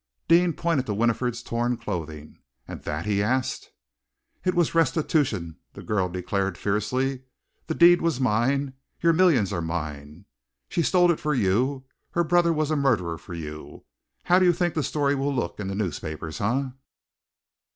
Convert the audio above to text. Deane pointed to Winifred's torn clothing. "And that?" he asked. "It was restitution," the girl declared fiercely. "The deed was mine! Your millions are mine! She stole it for you her brother was a murderer for you! How do you think the story will look in the newspapers, eh?